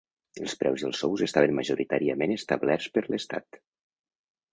Els preus i els sous estaven majoritàriament establerts per l'estat.